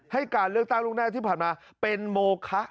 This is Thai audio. ให้การเลือกตั้งล่วงหน้าที่ผ่านมาเป็นโมคะ